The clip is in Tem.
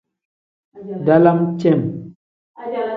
Dalam cem.